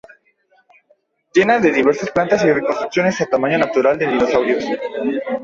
Llena de diversas plantas y reconstrucciones a tamaño natural de dinosaurios.